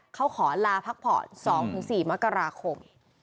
เขาขอลาพักผ่อน๒๔มกราคม